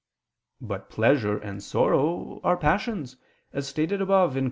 But pleasure and sorrow are passions, as stated above (Q.